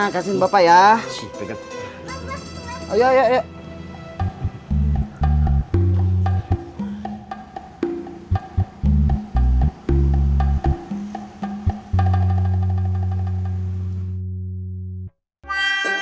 kasihin bapak ya